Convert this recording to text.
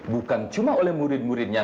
bukan cuma oleh murid muridnya